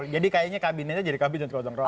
jadi kayaknya kabinetnya jadi kabinet gotong royong